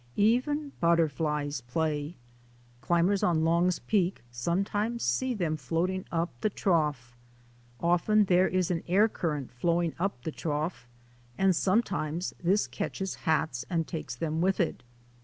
Even butterflies play. Climbers on Long's Peak sometimes see them floating up the Trough. Often there is an air current flowing up the Trough, and sometimes this catches hats and takes them with it.